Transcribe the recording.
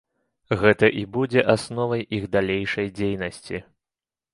Гэта і будзе асновай іх далейшай дзейнасці.